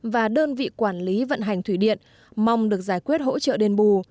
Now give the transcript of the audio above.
và đơn vị quản lý vận hành thủy điện mong được giải quyết hỗ trợ đền bù